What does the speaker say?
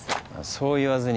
そう言わずに。